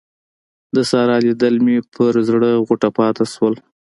د سارا لیدل مې پر زړه غوټه پاته شول.